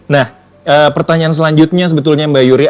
nah pertanyaan selanjutnya sebetulnya mbak yuri